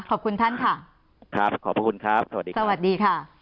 ขอบคุณท่านค่ะครับขอบพระคุณครับสวัสดีค่ะ